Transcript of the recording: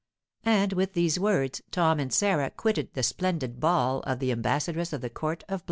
And with these words Tom and Sarah quitted the splendid ball of the ambassadress of the court of